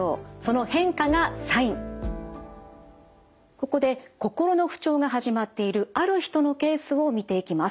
ここで心の不調が始まっているある人のケースを見ていきます。